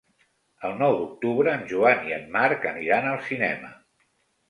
El nou d'octubre en Joan i en Marc aniran al cinema.